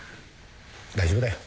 大丈夫だよ。